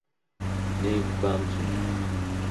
Днаиқәгәамҵуан.